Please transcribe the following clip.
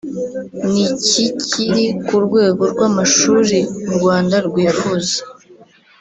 ntikikiri ku rwego rw’amashuri u Rwanda rwifuza